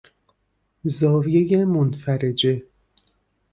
زاویهی منفرجه